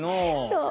そう。